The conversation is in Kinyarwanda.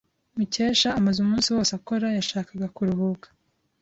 Mukesha, amaze umunsi wose akora, yashakaga kuruhuka.